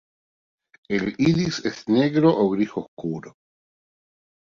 El iris es negro o gris oscuro.